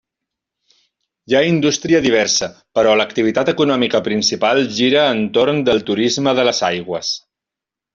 Hi ha indústria diversa però l'activitat econòmica principal gira entorn del turisme de les aigües.